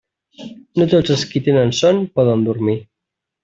No tots els qui tenen son poden dormir.